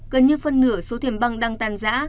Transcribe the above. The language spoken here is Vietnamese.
gần như phân nửa số tiền băng đang tan giã